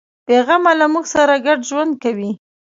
بیغمه له موږ سره ګډ ژوند کوي.